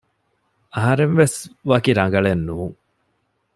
އަހަރެންވެސް ވަކި ރަނގަޅެއް ނޫން